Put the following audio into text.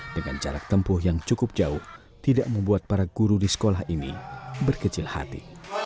dengan jarak tempuh yang cukup jauh tidak membuat para guru di sekolah ini berkecil hati